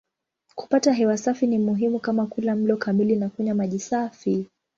Kupata hewa safi ni muhimu kama kula mlo kamili na kunywa maji safi.